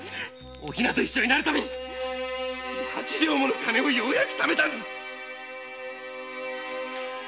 お比奈と一緒になるため八両もの金をようやく貯めたのに！